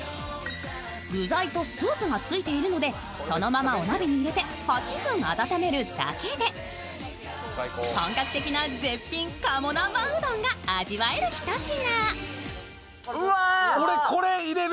具材とスープがついているのでそのままお鍋に入れて、８分温めるだけで本格的な絶品鴨南蛮うどんが味わえるひと品。